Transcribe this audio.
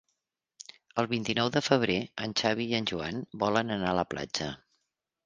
El vint-i-nou de febrer en Xavi i en Joan volen anar a la platja.